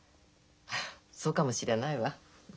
そうかもしれないわ。